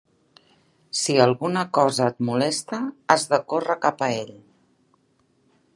Si alguna cosa et molesta, has de córrer cap a ell.